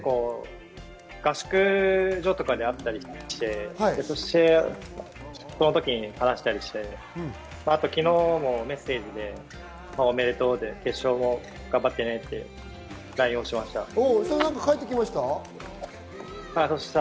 合宿所とかで会ったりして、試合のときに話したりとかして、昨日もメッセージでおめでとう、決勝も頑張ってねとＬＩＮＥしました。